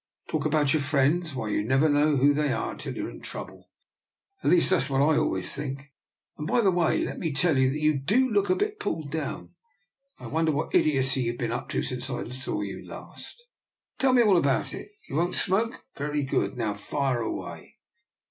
" Talk about your friends — why, you never know who they are till you're in trouble! At least, that's what I always think. And, by the way, let me tell you that you do look a bit pulled down. I wonder what idiocy you've been up to since I saw you last. Tell me all about it. You won't smoke? Very good! now fire away!